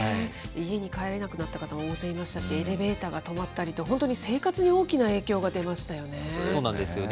家に帰れなくなった方、大勢いましたし、エレベーターが止まったりと、本当に生活に大きな影響が出ましたそうなんですよね。